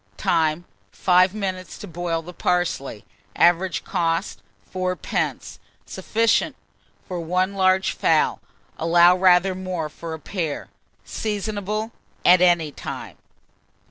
Time. 5 minutes to boil the parsley. Average cost, 4d. Sufficient for 1 large fowl; allow rather more for a pair. Seasonable at any time.